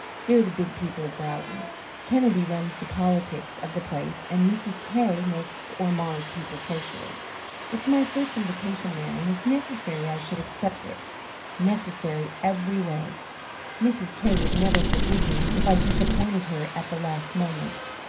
They're the big people of Broughton. Kennedy runs the politics of the place, and Mrs. K. makes or mars people socially. It's my first invitation there and it's necessary I should accept it necessary every way. Mrs. K. would never forgive me if I disappointed her at the last moment.